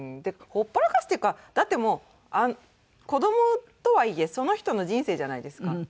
ほっぽらかすっていうかだってもう子どもとはいえその人の人生じゃないですか。